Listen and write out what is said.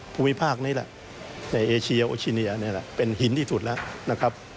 ภูมิภาคนี้แหละในเอเชียโอชิเนียนี่แหละเป็นหินที่สุดแล้วนะครับ